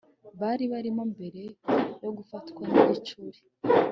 bari barimo mbere yo gufatwa n igicuri